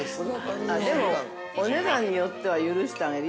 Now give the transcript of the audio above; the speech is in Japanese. ◆お値段によっては許してあげる。